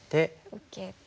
受けて。